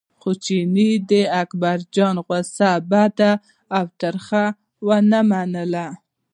خو چیني د اکبرجان غوسه بده او تریخه ونه منله.